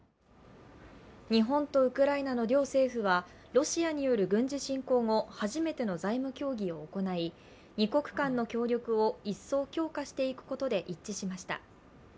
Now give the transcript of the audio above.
日本とウクライナの両政府はロシアによる軍事侵攻後、初めての財務協議を行い、２国間の協力を一層強化していくことで一致しました。